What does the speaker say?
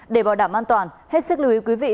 để bảo đảm an toàn hết sức lưu ý quý vị